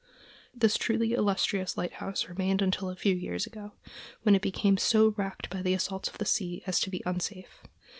This truly illustrious lighthouse remained until a few years ago, when it became so racked by the assaults of the sea as to be unsafe.